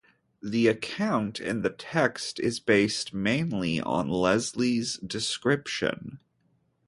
The account in the text is based mainly on Leslie's description.